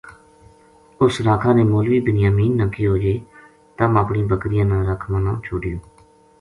اُس راکھا نے مولوی بنیامین نا کہیو جے تم اپنی بکریاں نا رکھ ما نہ چھوڈیو ں